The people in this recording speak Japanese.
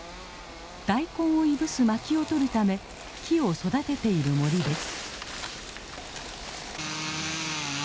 大根をいぶす薪をとるため木を育てている森です。